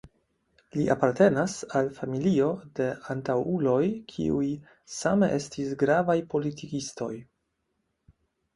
Li apartenas al familio de antaŭuloj kiuj same estis gravaj politikistoj.